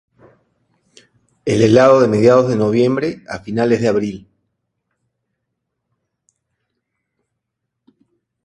Está helado de mediados de noviembre a finales de abril.